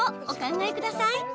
お考えください。